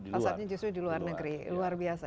pasarnya justru di luar negeri luar biasa